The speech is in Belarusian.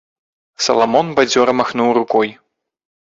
Саламон бадзёра махнуў рукой.